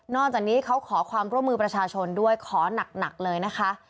จากนี้เขาขอความร่วมมือประชาชนด้วยขอหนักเลยนะคะ